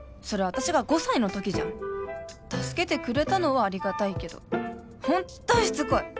私が５歳のときじゃん助けてくれたのはありがたいけどホントしつこい！